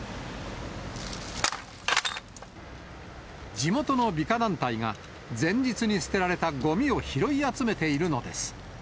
地元の美化団体が、前日に捨てられたごみを拾い集めているのです。